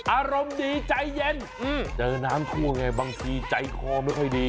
อารมณ์ดีใจเย็นเจอน้ำท่วมไงบางทีใจคอไม่ค่อยดี